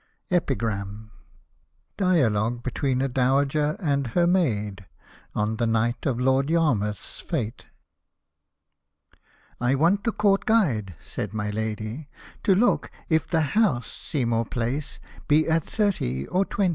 EPIGRAM DIALOGUE BETWEEN A DOWAGER AND HER MAID ON THE NIGHT OF LORD Y — RM — TH'S FETE " I WANT the Court Guide," said my lady, " to look If the House, Seymour Place, be at 30, or 20."